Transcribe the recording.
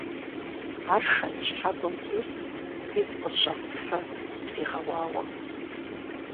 Ар шэнт щхьэгуэм тест, игу къысщӀэгъуфэ зытригъэуауэ.